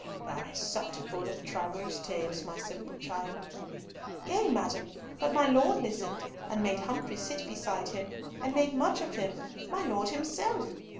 "Thou hast supped full of travellers' tales, my simple child." "Yea, madam, but my Lord listened, and made Humfrey sit beside him, and made much of him—my Lord himself!